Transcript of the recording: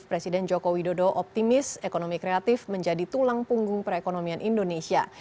presiden joko widodo optimis ekonomi kreatif menjadi tulang punggung perekonomian indonesia